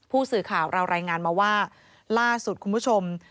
ผู้สื่อข่าวเรารายงานมาว่าล่าสุดคุณผู้ชม